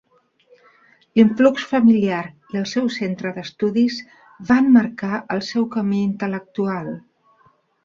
L'influx familiar i el seu centre d'estudis van marcar el seu camí intel·lectual.